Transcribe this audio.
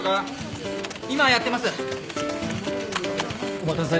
お待たせ。